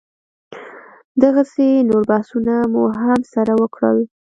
دغسې نور بحثونه مو هم سره وکړل.